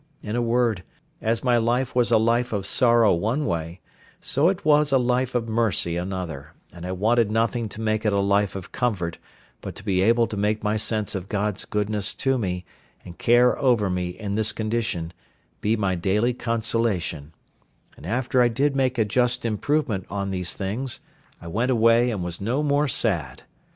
In a word, as my life was a life of sorrow one way, so it was a life of mercy another; and I wanted nothing to make it a life of comfort but to be able to make my sense of God's goodness to me, and care over me in this condition, be my daily consolation; and after I did make a just improvement on these things, I went away, and was no more sad.